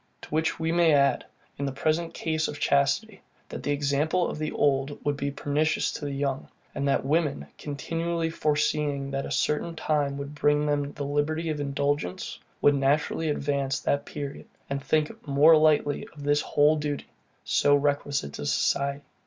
To which we may add, in the present case of chastity, that the example of the old would be pernicious to the young; and that women, continually foreseeing that a certain time would bring them the liberty of indulgence, would naturally advance that period, and think more lightly of this whole duty, so requisite to society.